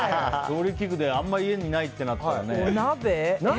調理器具で、あんまり家にないってなったらね。